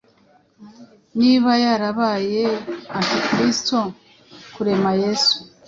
Niba yarabaye Antikristo, Kurema Yesu,